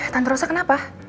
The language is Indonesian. tante rosa kenapa